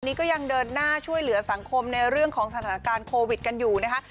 ก็ยังเดินหน้าช่วยเหลือสังคมในเรื่องของสถานการณ์โควิดกันอยู่นะคะ